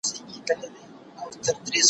د هغه وخت خلکو دا ګومان کاوه